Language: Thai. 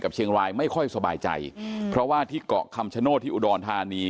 เชียงรายไม่ค่อยสบายใจเพราะว่าที่เกาะคำชโนธที่อุดรธานี